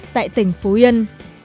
tại tỉnh phú yên